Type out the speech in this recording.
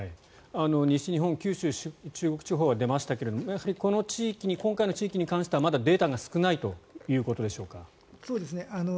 西日本九州、中国地方は出ましたがやはり、今回の地域に関してはまだデータが少ないということでしょうか。